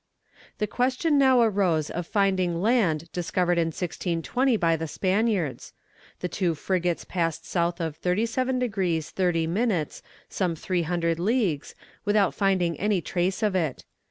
The question now arose of finding land discovered in 1620 by the Spaniards. The two frigates passed south of 37 degrees 30 minutes some three hundred leagues, without finding any trace of it.